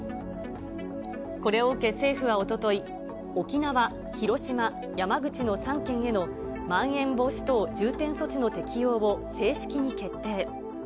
これを受け、政府はおととい、沖縄、広島、山口の３県へのまん延防止等重点措置の適用を正式に決定。